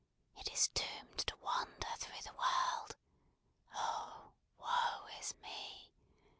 It is doomed to wander through the world oh, woe is me!